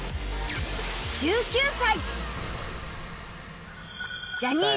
１９歳